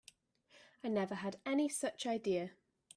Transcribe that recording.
I never had any such idea.